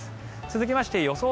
続きまして予想